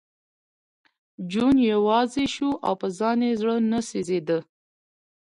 جون یوازې شو او په ځان یې زړه نه سېزېده